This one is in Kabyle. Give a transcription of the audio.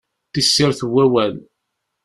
Tissirt n wawal!